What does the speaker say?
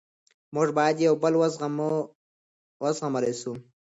موږ باید یو بل و زغملی سو.